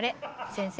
先生